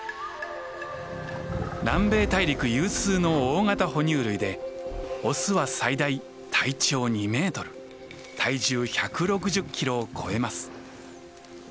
南米大陸有数の大型哺乳類でオスは最大体長２メートル体重１６０キロを超えます。